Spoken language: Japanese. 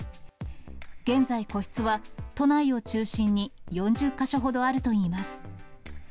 現在、個室は都内を中心に４０か所ほどあるといいます。